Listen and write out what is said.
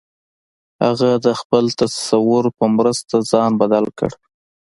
هغه د خپل تصور په مرسته ځان بدل کړ